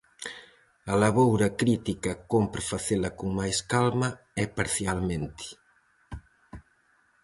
A laboura crítica cómpre facela con máis calma e parcialmente.